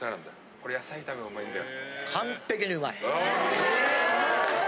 これ野菜炒めもうまいんだよ。